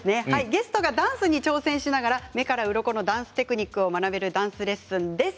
ゲストがダンスに挑戦しながら目からうろこのダンステクニックを学べるダンスレッスンです。